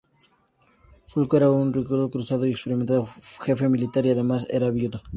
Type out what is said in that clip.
Fulco era un rico cruzado y un experimentado jefe militar, y además era viudo.